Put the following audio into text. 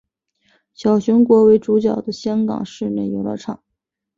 小熊国为主角的香港室内游乐场。